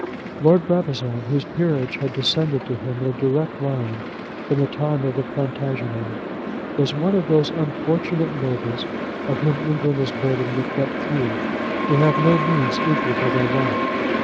Lord Brabazon, whose peerage had descended to him in a direct line from the time of the Plantagenets, was one of those unfortunate nobles of whom England is burdened with but few, who have no means equal to their rank.